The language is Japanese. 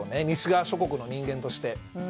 西側諸国の人間として。